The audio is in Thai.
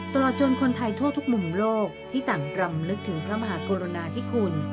ตลอดจนคนไทยทั่วทุกมุมโลกที่ต่างรำลึกถึงพระมหากรณาธิคุณ